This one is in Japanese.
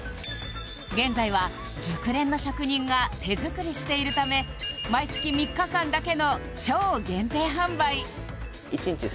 現在は熟練の職人が手作りしているため毎月３日間だけの超限定販売